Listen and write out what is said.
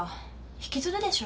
引きずるでしょ。